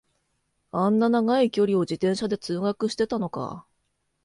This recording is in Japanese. あんな長い距離を自転車で通学してたのか